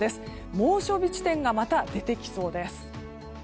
猛暑日地点がまた出てきそうです。